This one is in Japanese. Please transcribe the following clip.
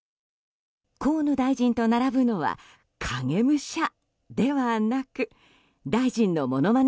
河野大臣と並ぶのは影武者ではなく大臣の物まね